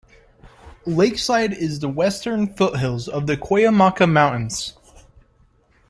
Lakeside is in the western foothills of the Cuyamaca Mountains.